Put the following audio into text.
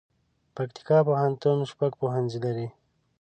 پکتيکا پوهنتون شپږ پوهنځي لري